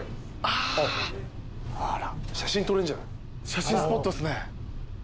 写真スポットっすね。